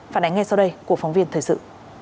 phản ánh ngay sau đây của phóng viên thời sự